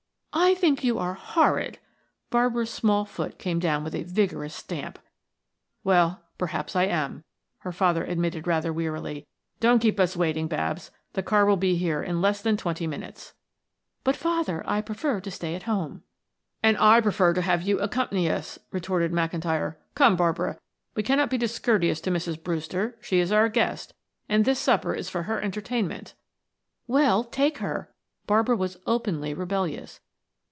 "I think you are horrid!" Barbara's small foot came down with a vigorous stamp. "Well, perhaps I am," her father admitted rather wearily. "Don't keep us waiting, Babs; the car will be here in less than twenty minutes." "But, father, I prefer to stay at home." "And I prefer to have you accompany us," retorted McIntyre. "Come, Barbara, we cannot be discourteous to Mrs. Brewster; she is our guest, and this supper is for her entertainment." "Well, take her." Barbara was openly rebellious.